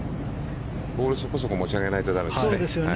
ボールそこそこ持ち上げないとだめですね。